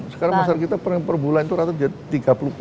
sekarang masyarakat kita pengeluaran perbulan itu rata rata tiga puluh